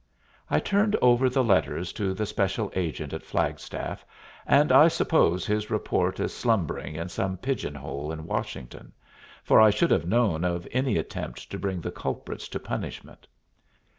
I turned over the letters to the special agent at Flagstaff, and I suppose his report is slumbering in some pigeon hole in Washington, for I should have known of any attempt to bring the culprits to punishment.